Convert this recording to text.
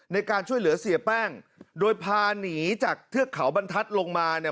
ในการช่วยเหลือเสียแป้งโดยพาหนีจากเทือกเขาบรรทัศน์ลงมาเนี่ย